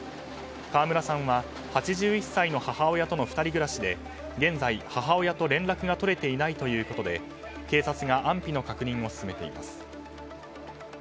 川村さんは８１歳の母親との２人暮らしで現在、母親と連絡が取れていないということで警察が安否の確認を進めています。